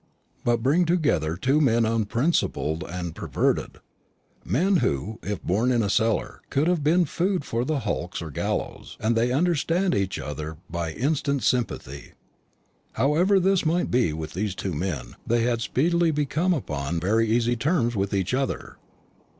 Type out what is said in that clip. But bring together two men unprincipled and perverted men who, if born in a cellar, would have been food for the hulks or gallows and they understand each other by instant sympathy." However this might be with these two men, they had speedily become upon very easy terms with each other.